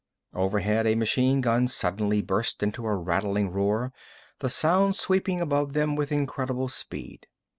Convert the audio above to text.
Overhead, a machine gun suddenly burst into a rattling roar, the sound sweeping above them with incredible speed.